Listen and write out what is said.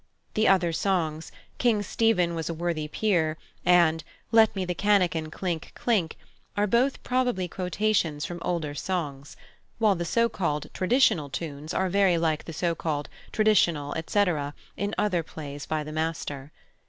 The other songs, "King Stephen was a worthy peer," and "Let me the canakin clink, clink," are both probably quotations from older songs; while the so called "traditional" tunes are very like the so called "traditional" etc. in other plays by the master.